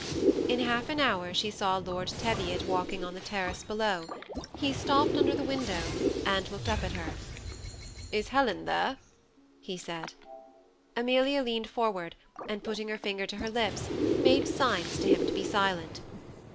In half an hour she saw Lord Teviot walking on the terrace below ; he stopped under the window, and looked up at her. " Is Helen there ?" he said. Amelia leaned forward, and putting her finger to her lips, made signs to him to be silent.